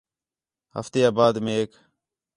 ہفتے آ بعد میک